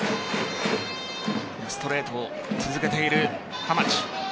ストレートを続けている浜地。